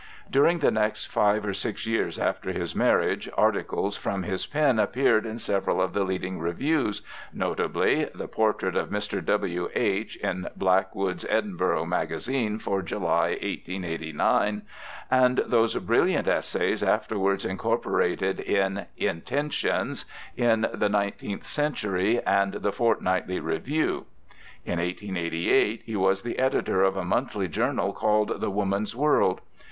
During the next five or six years after his marriage, articles from his pen appeared in several of the leading reviews, notably 'The Portrait of Mr. W. H.' in Blackwood's Edinburgh Magazine for July, 1889, and those brilliant essays afterwards incorporated in Intentions, in The Nineteenth Century and The Fortnightly Review. In 1888 he was the editor of a monthly journal called The Woman's World.